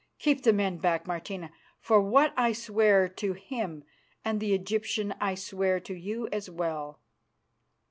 Keep the men back, Martina, for what I swear to him and the Egyptian I swear to you as well.